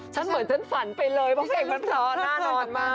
เหมือนฉันฝันไปเลยเพราะเก่งมันเพราะน่านอนมาก